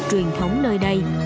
truyền thống nơi đây